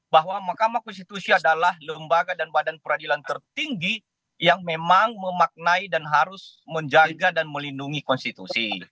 bahwa mahkamah konstitusi adalah lembaga dan badan peradilan tertinggi yang memang memaknai dan harus menjaga dan melindungi konstitusi